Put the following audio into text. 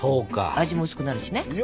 味も薄くなるしね。